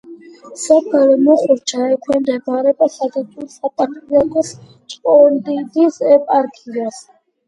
სოფელი მუხურჩა ექვემდებარება საქართველოს საპატრიარქოს ჭყონდიდის ეპარქიას.